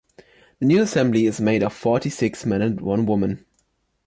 The new assembly is made of forty-six men and one woman.